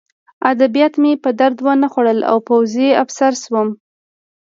ادبیات مې په درد ونه خوړل او پوځي افسر شوم